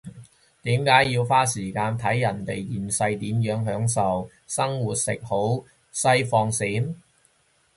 點解要花時間睇人哋現世點樣享受生活食好西放閃？